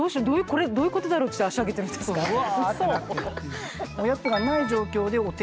これどういうことだろって足上げてるんですか？